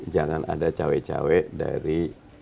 jangan ada caweg caweg dari